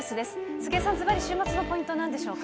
杉江さん、ずばり週末のポイントはなんでしょうか。